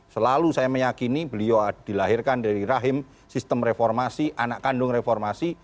selalu saya meyakini beliau dilahirkan dari rahim sistem reformasi anak kandung reformasi